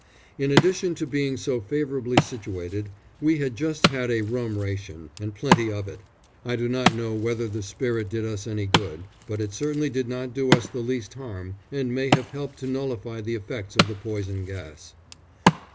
In addition to being so favourably situated, we had just had a rum ration and plenty of it. I do not know whether the spirit did us any good, but it certainly did not do us the least harm, and may have helped to nullify the effects of the poison gas.